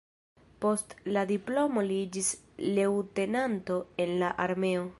Post la diplomo li iĝis leŭtenanto en la armeo.